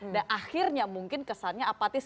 dan akhirnya mungkin kesannya apatis